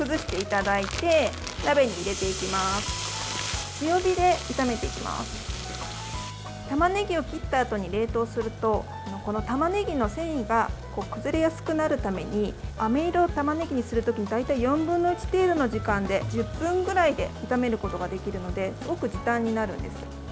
たまねぎを切ったあとに冷凍するとこのたまねぎの繊維が崩れやすくなるためにあめ色のたまねぎにする時に大体４分の１程度の時間で１０分程度で炒めることができるのですごく時短になるんです。